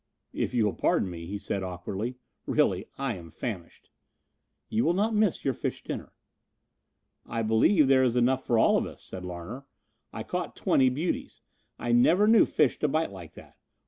"If you will pardon me," he said awkwardly. "Really I am famished." "You will not miss your fish dinner," said the girl. "I believe there is enough for all of us," said Larner. "I caught twenty beauties. I never knew fish to bite like that.